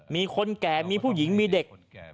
มีคนแก่มีผู้หญิงมีเด็ก